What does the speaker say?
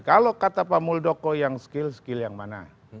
kalau kata pak muldoko yang skill skill yang mana